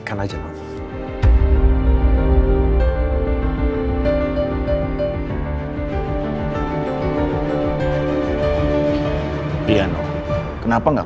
kenapa di hold kenapa gak